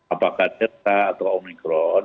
apakah delta atau omikron